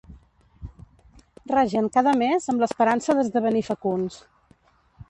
Ragen cada mes amb l'esperança d'esdevenir fecunds.